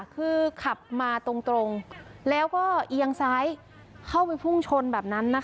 คือขับมาตรงแล้วก็เอียงซ้ายเข้าไปพุ่งชนแบบนั้นนะคะ